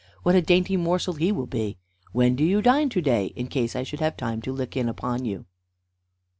What a dainty morsel he will be! When do you dine to day, in case I should have time to look in upon you?"